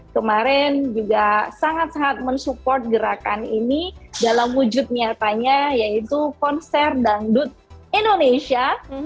kemarin juga sangat sangat mensupport gerakan ini dalam wujud nyatanya yaitu konser dangdut indonesia